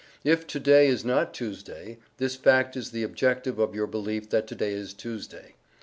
If to day is not Tuesday, this fact is the objective of your belief that to day is Tuesday.